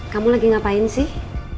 kamu lagi ngapain sih